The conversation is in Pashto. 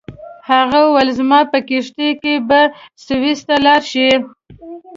هغه وویل زما په کښتۍ کې به سویس ته لاړ شې.